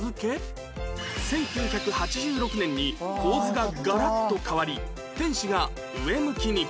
１９８６年に構図がガラッと変わり天使が上向きに